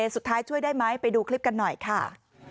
ช่วยได้ไหมไปดูคลิปกันหน่อยค่ะ